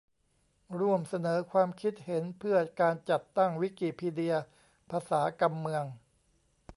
ร่วมเสนอความคิดเห็นเพื่อการจัดตั้ง วิกิพีเดีย ภาษา กำเมือง